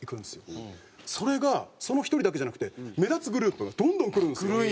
それがその１人だけじゃなくて目立つグループがどんどん来るんですよ。